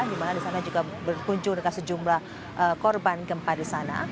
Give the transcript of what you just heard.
di mana di sana juga berkunjung dengan sejumlah korban gempa di sana